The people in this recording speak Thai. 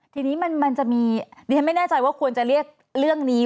ทีนี้มันจะมีดิฉันไม่แน่ใจว่าควรจะเรียกเรื่องนี้